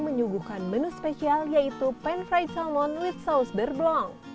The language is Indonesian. menyuguhkan menu spesial yaitu pan fried salmon with sauce beurre blanc